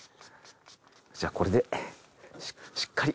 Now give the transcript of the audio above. じゃあこれでしっかり。